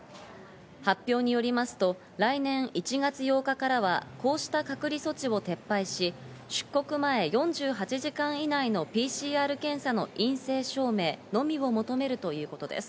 発表によりますと、来年１月８日からはこうした隔離措置を撤廃し、出国前４８時間以内のＰＣＲ検査の陰性証明のみを求めるということです。